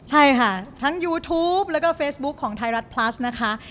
ใช่ค่ะทั้งยูทูปแล้วก็เฟซบุ๊คของไทยรัฐพลัสนะคะ